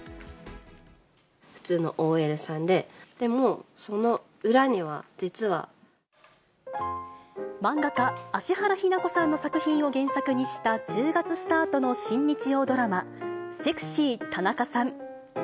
普通のＯＬさんで、でも、漫画家、芦原妃名子さんの作品を原作にした、１０月スタートの新日曜ドラマ、セクシー田中さん。